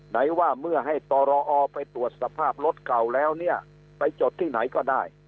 ไหนว่าเมื่อให้ตรอไปตรวจสภาพรถเก่าแล้วเนี่ยไปจดที่ไหนก็ได้